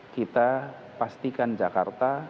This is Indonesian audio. kita pastikan jakarta